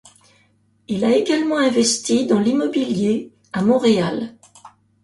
Il a également investi dans l'immobilier à Montréal.